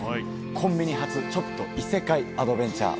コンビニ発ちょっと異世界アドベンチャー。